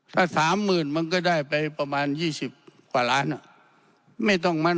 ถ้าสามหมื่นมันก็ได้ไปประมาณยี่สิบกว่าล้านน่ะไม่ต้องมา